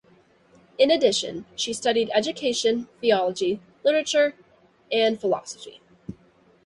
In addition, she studied education, theology, literature and philosophy.